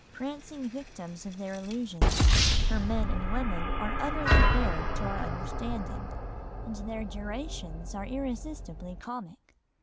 Prancing victims of their illusions, her men and women are utterly bare to our understanding, and their gyrations are irresistibly comic."